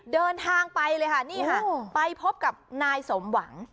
เดินทางไปเลยค่ะนี่ค่ะไปพบกับนายสมหวัง